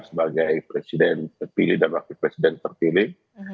sebagai presiden terpilih dan wakil presiden terpilih